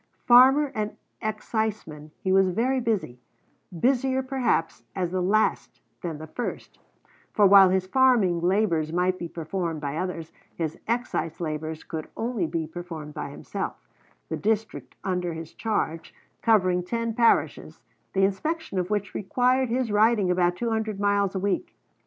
Farmer and exciseman, he was very busy, busier, perhaps, as the last than the first, for while his farming labors might be performed by others, his excise labors could only be performed by himself; the district under his charge covering ten parishes, the inspection of which required his riding about two hundred miles a week.